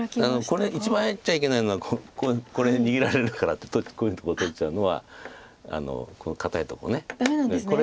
これ一番やっちゃいけないのはこれ逃げられるからってこういうとこ取っちゃうのはこの堅いとこをね。ダメなんですね。